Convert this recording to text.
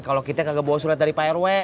kalau kita kagak bawa surat dari pak rw